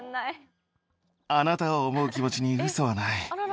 あなたを思う気持ちにウソはない。